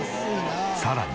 さらに。